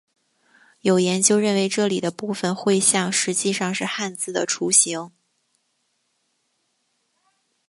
有研究认为这里的部分绘像实际上是汉字的雏形。